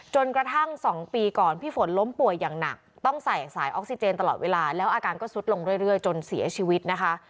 จนกระทั่ง๒ปีก่อนพี่ฝนล้มป่วยอย่างหนักต้องใส่สายออกซิเจนตลอดเวลาแล้วอาการก็สุดลงเรื่อยจนเสียชีวิตนะคะ